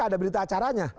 ada berita acaranya